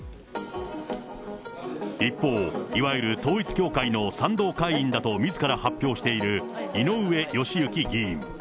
一方、いわゆる統一教会の賛同会員だとみずから発表している井上義行議員。